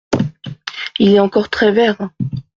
Il est encore très vert…